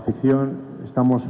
kita sangat berharap